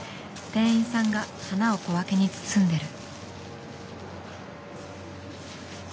店員さんが花を小分けに包んでる。